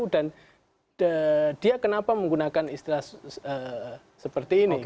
dan dia kenapa menggunakan istilah seperti ini